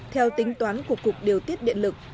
theo tính toán của cục điều tiết điện lực